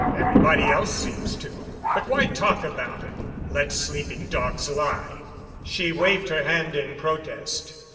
Everybody else seems to. But why talk about it? Let sleeping dogs lie." She waved her hand in protest.